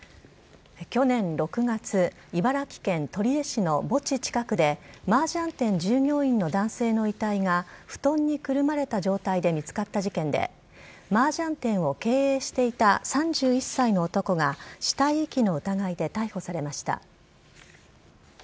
去年６月、茨城県取手市の墓地近くで、マージャン店従業員の男性の遺体が布団にくるまれた状態で見つかった事件で、マージャン店を経営していた３１歳の男が死体遺棄の疑いで逮捕されました。